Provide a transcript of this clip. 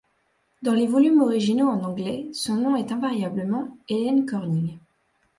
Dans les volumes originaux en anglais, son nom est invariablement Helen Corning.